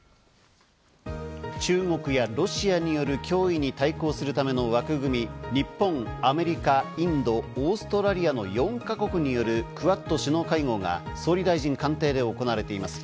中国やロシアによる脅威に対抗するための枠組み、日本、アメリカ、インド、オーストラリアの４か国によるクアッド首脳会合が総理大臣官邸で行われています。